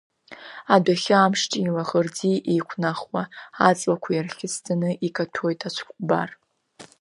Адәахьы амш ҿи-лаӷырӡи еиқәнахуам, аҵлақәа ирхьыӡсаны икаҭәоит ацәыкәбар.